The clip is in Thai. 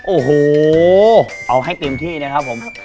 โอ้โหเอาให้เต็มที่นะครับผม